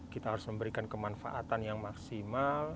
kita harus memberikan kemanfaatan yang maksimal